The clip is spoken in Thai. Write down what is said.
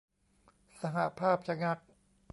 สหภาพชะงัก